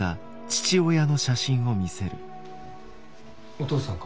お父さんか？